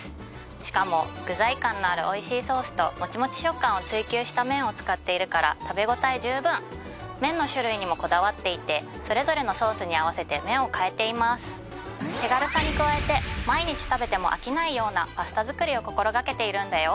しかも具材感のあるおいしいソースともちもち食感を追求した麺を使っているから食べ応え十分麺の種類にもこだわっていてそれぞれのソースに合わせて麺をかえています手軽さに加えて毎日食べても飽きないようなパスタ作りを心掛けているんだよ